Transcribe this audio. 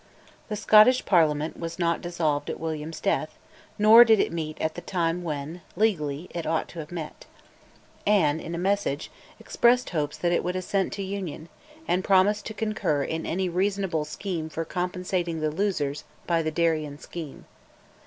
The Scottish Parliament was not dissolved at William's death, nor did it meet at the time when, legally, it ought to have met. Anne, in a message, expressed hopes that it would assent to Union, and promised to concur in any reasonable scheme for compensating the losers by the Darien scheme.